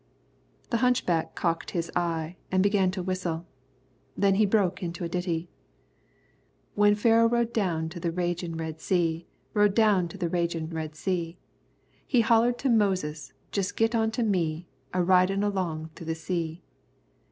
The hunchback cocked his eye and began to whistle. Then he broke into a ditty: "When Pharaoh rode down to the ragin' Red Sea, Rode down to the ragin' Red Sea, He hollered to Moses, 'Just git on to me, A ridin' along through the sea.'